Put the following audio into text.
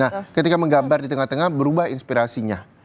nah ketika menggambar di tengah tengah berubah inspirasinya